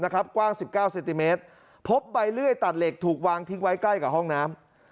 กว้าง๑๙เซนติเมตรพบใบเลื่อยตัดเหล็กถูกวางทิ้งไว้ใกล้กับห้องน้ำ